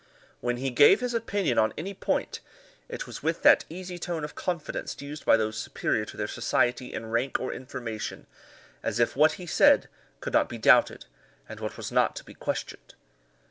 When he gave his opinion on any point, it was with that easy tone of confidence used by those superior to their society in rank or information, as if what he said could not be doubted, and was not to be questioned.